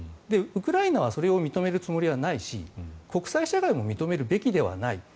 ウクライナはそれを認めるつもりはないし国際社会も認めるべきではない。